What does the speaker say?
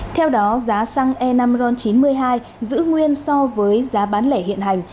theo đó giá xăng e năm ron chín mươi hai giữ nguyên so với giá bán lẻ hiện hành